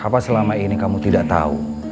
apa selama ini kamu tidak tahu